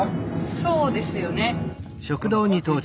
そうですよね。